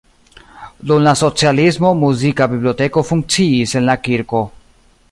Dum la socialismo muzika biblioteko funkciis en la kirko.